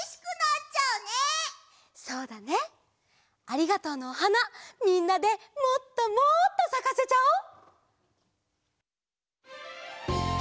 ありがとうのおはなみんなでもっともっとさかせちゃおう！